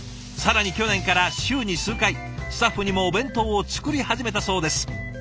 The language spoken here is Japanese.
更に去年から週に数回スタッフにもお弁当を作り始めたそうです。